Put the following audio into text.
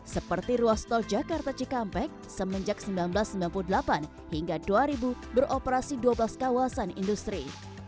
seperti ruas tol jakarta cikampek semenjak seribu sembilan ratus sembilan puluh delapan hingga dua ribu beroperasi dua belas kawasan industri